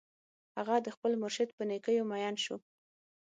هغه د خپل مرشد په نېکیو مین شو